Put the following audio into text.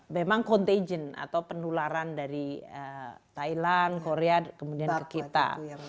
memang contagion atau penularan dari thailand korea kemudian ke kita